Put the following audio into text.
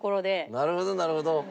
なるほどなるほど。